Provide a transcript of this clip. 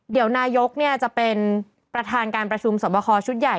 เดี๋ยวนายกจะเป็นประธานการประชุมสอบคอชุดใหญ่